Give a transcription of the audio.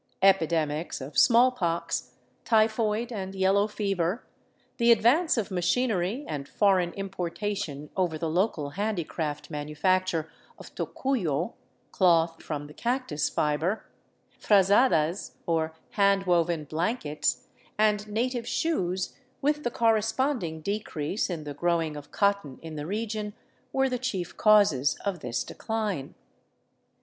Epidemics of smallpox, typhoid, and yellow fever, the advance of machinery and foreign importation over the local handicraft manufac ture of tocuyo (cloth from the cactus fiber), frazadas, or hand woven blankets, and native shoes, with the corresponding decrease in the growing of cotton in the region, were the chief causes of this decline.